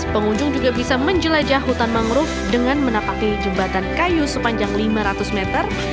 pengunjung juga bisa menjelajah hutan mangrove dengan menapaki jembatan kayu sepanjang lima ratus meter